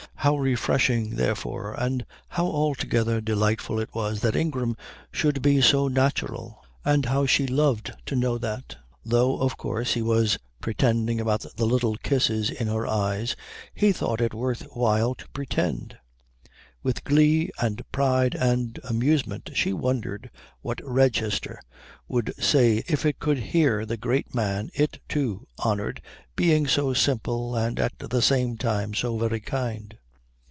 How refreshing, therefore, and how altogether delightful it was that Ingram should be so natural, and how she loved to know that, though of course he was pretending about the little kisses in her eyes, he thought it worth while to pretend! With glee and pride and amusement she wondered what Redchester would say if it could hear the great man it, too, honoured being so simple and at the same time so very kind.